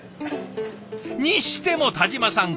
にしても田嶋さん